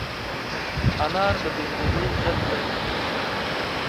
انار د بې خوبۍ ضد دی.